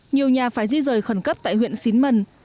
nhiều nhà phải di rời khẩn cấp tại huyện xín mần